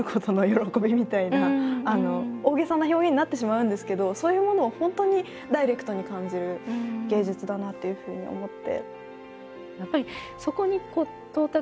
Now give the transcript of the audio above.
大げさな表現になってしまうんですけどそういうものを本当にダイレクトに感じる芸術だなっていうふうに思って。